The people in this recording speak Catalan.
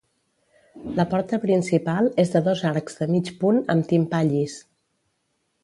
La porta principal és de dos arcs de mig punt amb timpà llis.